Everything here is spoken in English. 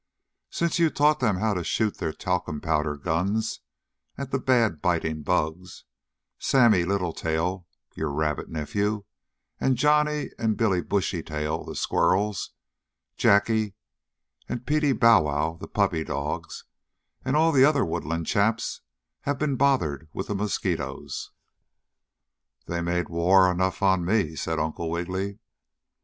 Since you taught them how to shoot their talcum powder guns at the bad biting bugs, Sammie Littletail, your rabbit nephew, and Johnnie and Billie Bushytail, the squirrels; Jackie and Peetie Bow Wow, the puppy dogs, and all the other Woodland chaps have been bothered with the mosquitoes." "They made war enough on me," said Uncle Wiggily.